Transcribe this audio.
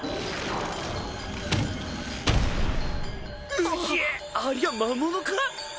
うげえありゃ魔物か？